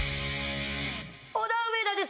オダウエダです